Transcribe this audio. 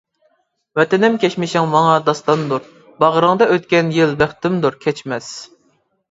ۋەتىنىم كەچمىشىڭ ماڭا داستاندۇر، باغرىڭدا ئۆتكەن يىل بەختىمدۇر كەچمەس.